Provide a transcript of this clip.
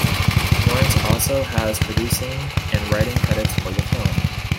Lawrence also has producing and writing credits for the film.